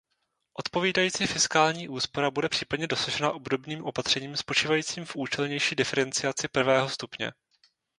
Odpovídající fiskální úspora bude případně dosažena obdobným opatřením spočívajícím v účelnější diferenciaci prvého stupně.